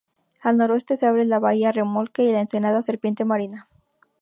Al noroeste se abre la bahía Remolque y la ensenada Serpiente Marina.